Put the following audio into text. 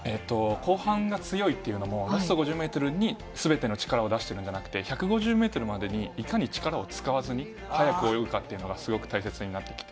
後半が強いっていうのも、ラスト５０メートルにすべての力を出してるんじゃなくて、１５０メートルまでにいかに力を使わずに速く泳ぐかっていうのがすごく大切になってきて。